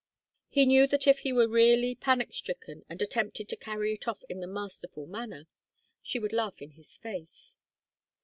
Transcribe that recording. He knew that if he were really panic stricken and attempted to carry it off in the masterful manner, she would laugh in his face.